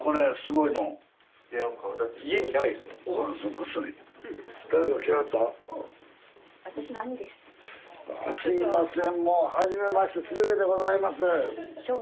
いやすいません